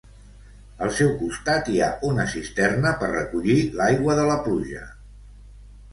Al seu costat hi ha una cisterna per recollir l'aigua de la pluja.